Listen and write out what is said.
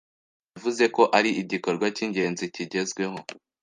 yavuze ko ari igikorwa cy'ingenzi kigezweho